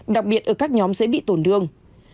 đặc biệt ở các nhóm dễ bị tổn đương